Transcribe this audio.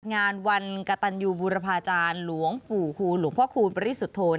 งานวันกระตันยูบูรพาจารย์หลวงปู่คูณหลวงพ่อคูณปริสุทธน